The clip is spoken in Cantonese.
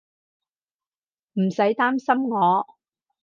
唔使擔心我